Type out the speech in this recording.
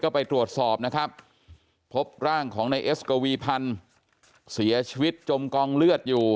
ไปตรวจสอบนะครับพบร่างของนายเอสกวีพันธ์เสียชีวิตจมกองเลือดอยู่